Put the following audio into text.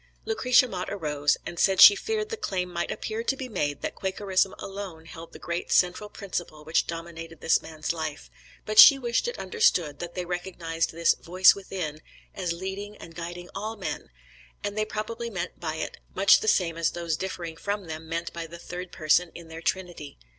Lucretia Mott arose, and said she feared the claim might appear to be made that Quakerism alone held the great central principle which dominated this man's life; but she wished it understood that they recognized this "voice within" as leading and guiding all men, and they probably meant by it much the same as those differing from them meant by the Third person in their Trinity.